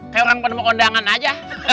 kayak orang pada mau keundangan aja